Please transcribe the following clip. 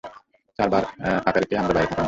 Sir, বার ফাঁকা রেখে আমার বাইরে থাকা নিষেধ।